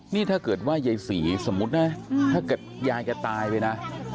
นี่ถ้าเกิดว่ายายศรีสมมุตินะถ้าเกิดยายแกตายไปนะ